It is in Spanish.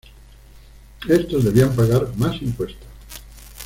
Estos debían pagar más impuestos.